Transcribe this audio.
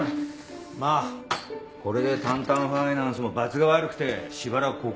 まあこれでタンタンファイナンスもばつが悪くてしばらくここに出入りできないよ。